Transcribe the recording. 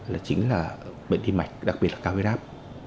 là chính là bệnh đi mạch đặc biệt là cao gây đáp